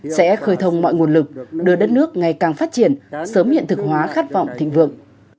sẽ khơi thông mọi nguồn lực đưa đất nước ngày càng phát triển sớm hiện thực hóa khát vọng thịnh vượng